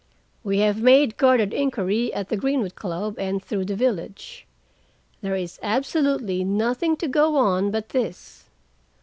We have made guarded inquiry at the Greenwood Club, and through the village. There is absolutely nothing to go on but this.